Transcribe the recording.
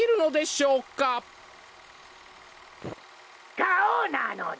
ガオなのだ！